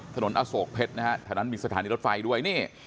ถนนอโศกเพชรทั้งงานมีสถานที่รถไฟด้วย